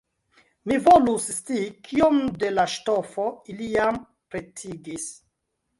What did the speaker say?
Mi volus scii, kiom de la ŝtofo ili jam pretigis!